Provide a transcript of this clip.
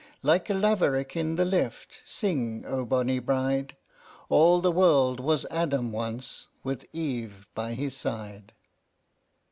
Like a laverock in the lift, sing, O bonny bride! All the world was Adam once, with Eve by his side.